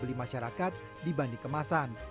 haris dibeli masyarakat dibanding kemasan